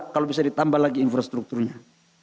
kalau bisa ditambah lagi infrastrukturnya